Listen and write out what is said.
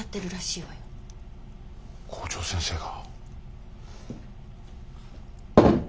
校長先生が。